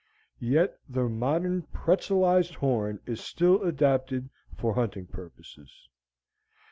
Yet the modern pretzelized horn is still adapted for hunting purposes.